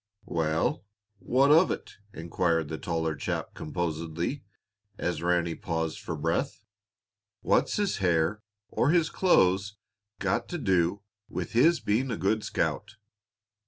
"Well, what of it?" inquired the taller chap composedly, as Ranny paused for breath. "What's his hair or his clothes got to do with his being a good scout?"